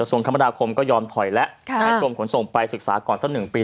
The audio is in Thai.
ส่วนธรรมดาคมก็ยอมถอยและกลมขนส่งไปศึกษาก่อนสัก๑ปี